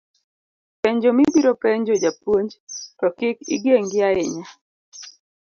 penjo mibiro penjo japuonj, to kik igengi ahinya